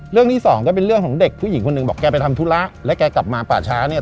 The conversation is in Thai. เรื่องที่สองก็เป็นเรื่องของเด็กผู้หญิงคนหนึ่งบอกแกไปทำธุระแล้วแกกลับมาป่าช้าเนี่ย